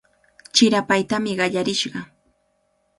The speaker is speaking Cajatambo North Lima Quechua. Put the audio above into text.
Chirapaytami qallarishqa.